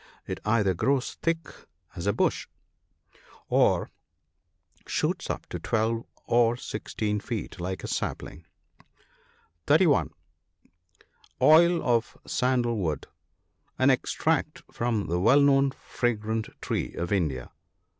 It either grows thick as a bush, or shoots up to twelve or sixteen feet, like a sapling. (31.) Oil of sandal wood. — An extract from the well known fragrant tree of India.